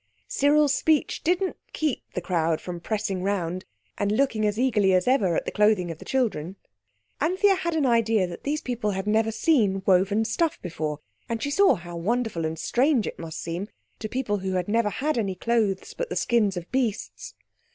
Cyril's speech didn't keep the crowd from pressing round and looking as eagerly as ever at the clothing of the children. Anthea had an idea that these people had never seen woven stuff before, and she saw how wonderful and strange it must seem to people who had never had any clothes but the skins of beasts.